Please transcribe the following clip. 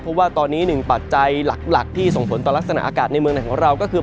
เพราะว่าตอนนี้หนึ่งปัจจัยหลักที่ส่งผลต่อลักษณะอากาศในเมืองไหนของเราก็คือ